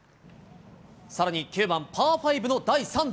さらに９番パー５の第３打。